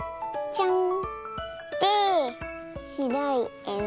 ちょん。